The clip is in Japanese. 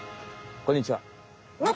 こんにちは。